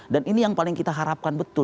dan ini yang paling kita harapkan betul